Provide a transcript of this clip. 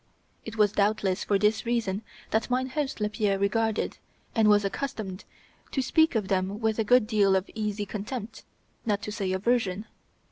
It was doubtless for this reason that mine host Lapierre regarded, and was accustomed to speak of them with a good deal of easy contempt, not to say aversion.